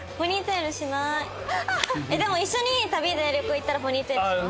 でも一緒に旅で旅行行ったらポニーテールします。